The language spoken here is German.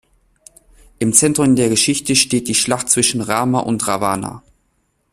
Im Zentrum der Geschichte steht die Schlacht zwischen Rama und Ravana.